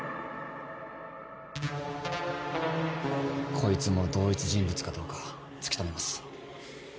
こいつも同一人物かどうか突き止めます。